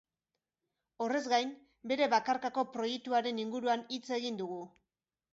Horrez gain, bere bakarkako proiektuaren inguruan hitz egin dugu.